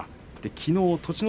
きのう栃ノ